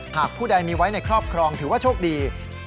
ผู้ใดมีไว้ในครอบครองถือว่าโชคดี